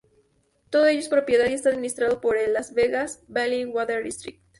Todo ello es propiedad y está administrado por el Las Vegas Valley Water District.